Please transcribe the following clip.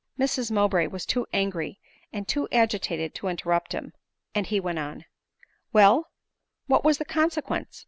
Mrs Mowbray was too angry and too agitated to in terrupt him, and he went on : "Well; what was the consequence?